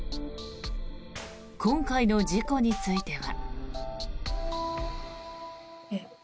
今回の事故については。